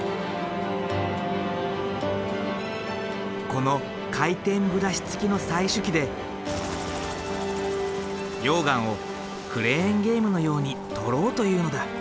この回転ブラシつきの採取機で溶岩をクレーンゲームのように採ろうというのだ。